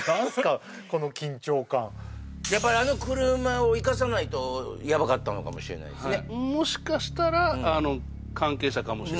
やっぱりあの車を行かさないとヤバかったのかもしれないですね